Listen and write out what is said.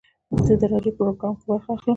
زه د راډیو پروګرام کې برخه اخلم.